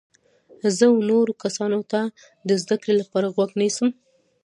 زه و نورو کسانو ته د زده کړي لپاره غوږ نیسم.